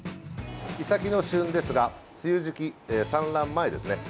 イサキの旬ですが梅雨時期、産卵前ですね。